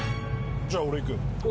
じゃあ俺いくよ。